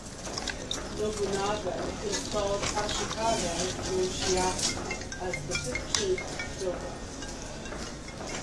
Nobunaga installed Ashikaga Yoshiaki as the fifteenth shogun.